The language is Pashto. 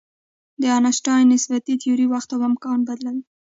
د آینشټاین نسبیتي تیوري وخت او مکان بدلوي.